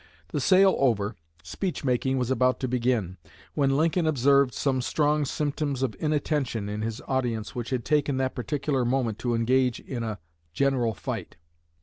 The sale over, speech making was about to begin, when Lincoln observed some strong symptoms of inattention in his audience which had taken that particular moment to engage in a a general fight.